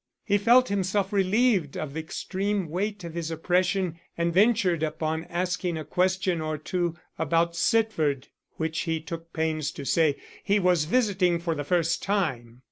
He felt himself relieved of the extreme weight of his oppression and ventured upon asking a question or two about Sitford, which he took pains to say he was visiting for the first time.